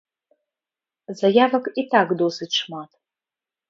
Заявак і так досыць шмат.